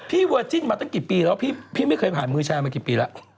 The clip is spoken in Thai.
พี่เวอร์จิมมั้งตั้งนี้หละพี่ไม่เคยผ่านมือชายมากี่ปีแล้ว